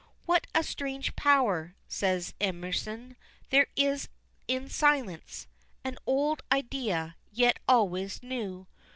"What a strange power," says Emerson, "there is in silence." An old idea, yet always new.